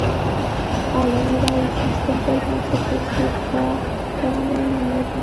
علني رایې سیستم پر بنسټ هېڅوک دا توانایي نه لري.